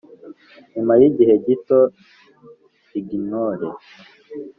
Nyuma y’igihe gito ignore